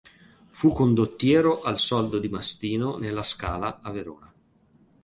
Fu condottiero al soldo di Mastino della Scala a Verona.